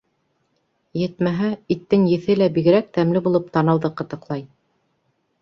Етмәһә, иттең еҫе лә бигерәк тәмле булып танауҙы ҡытыҡлай.